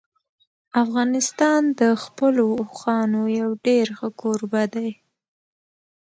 افغانستان د خپلو اوښانو یو ډېر ښه کوربه دی.